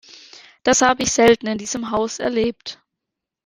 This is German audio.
Das habe ich selten in diesem Haus erlebt.